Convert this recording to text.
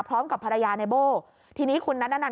พร้อมกับภรรยาในโบ้ทีนี้คุณนัทนานัน